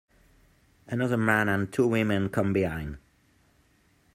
Another man and two women come behind.